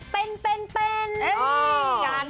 เป็น